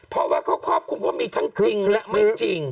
เพราะว่าเขาครอบคลุมว่ามีทั้งจริงและไม่จริง